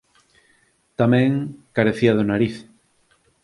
Tamén carecía de nariz.